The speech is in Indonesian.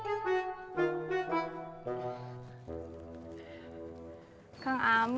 bang iti tiada keuangan